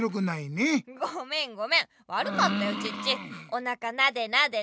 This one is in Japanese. おなかなでなで。